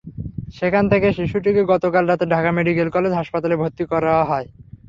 সেখান থেকে শিশুটিকে গতকাল রাতে ঢাকা মেডিকেল কলেজ হাসপাতালে ভর্তি করা হয়।